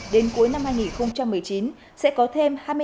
đến cuối năm hai nghìn một mươi chín sẽ có thêm